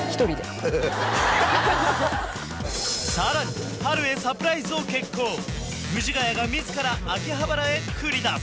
さらに波瑠へサプライズを決行藤ヶ谷が自ら秋葉原へ繰り出す